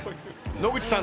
野口さん